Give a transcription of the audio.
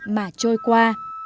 mà trôi qua